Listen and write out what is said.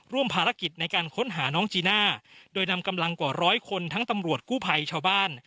ร่วมภารกิจในการค้นหาน้องจีน่าโดยนำกำลังกว่าร้อยคนทั้งตำรวจกู้ภัยชาวบ้าน